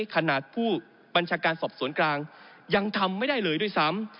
ขนาดผู้บัญชาการสอบสวนกลางยังทำไม่ได้เลยด้วยซ้ำ